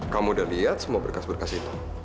kamu udah lihat semua berkas berkas itu